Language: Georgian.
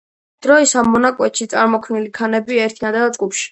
დროის ამ მონაკვეთში წარმოქმნილი ქანები ერთიანდება ჯგუფში.